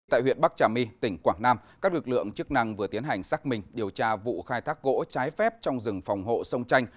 tại huyện bắc trà my tỉnh quảng nam các lực lượng chức năng vừa tiến hành xác minh điều tra vụ khai thác gỗ trái phép trong rừng phòng hộ sông tranh